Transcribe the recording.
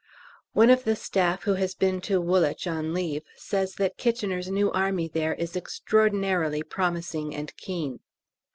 One of the staff who has been to Woolwich on leave says that K.'s new army there is extraordinarily promising and keen.